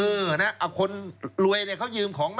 เออนะคนรวยเขายืมของ